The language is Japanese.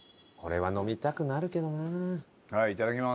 これは飲みたくなるけどなあ。